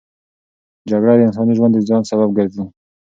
جګړه د انساني ژوند د زیان سبب ګرځي.